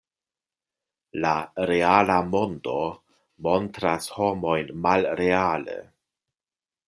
La reala mondo montras homojn malreale.